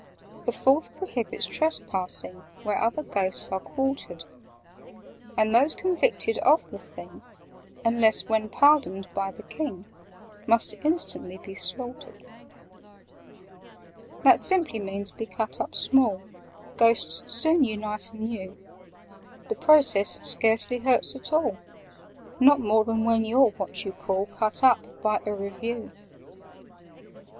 "The Fourth prohibits trespassing Where other Ghosts are quartered: And those convicted of the thing (Unless when pardoned by the King) Must instantly be slaughtered. "That simply means 'be cut up small': Ghosts soon unite anew. The process scarcely hurts at all— Not more than when you 're what you call 'Cut up' by a Review.